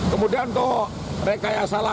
kemudian toh rekayasa